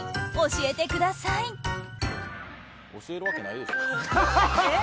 教えてくださいよ。